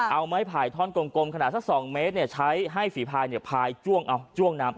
เอาไม้ผ่ายท่อนกลมขนาดสักสองเมตรเนี่ยใช้ให้ฝีผ่ายเนี่ยผ่ายจ้วงเอาจ้วงน้ำ